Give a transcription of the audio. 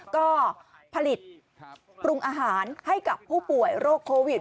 ก็ผลิตปรุงอาหารให้กับผู้ป่วยโรคโควิด